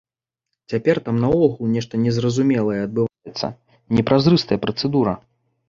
Цяпер там наогул нешта незразумелае адбываецца, непразрыстая працэдура.